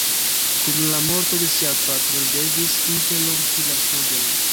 Kun la morto de sia patro, li devis interrompi la studojn.